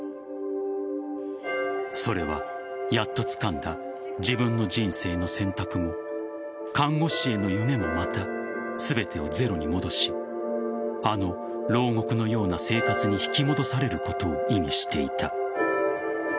それは、やっとつかんだ自分の人生の選択も看護師への夢もまた全てをゼロに戻しあの牢獄のような生活に引き戻されることを意味していた。